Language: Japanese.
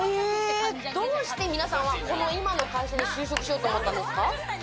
どうして皆さんは今の会社に就職しようと思ったんですか？